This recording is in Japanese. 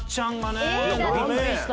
びっくりした。